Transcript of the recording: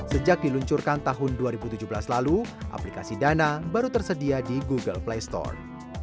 sejak diluncurkan tahun dua ribu tujuh belas lalu aplikasi dana baru tersedia di google play store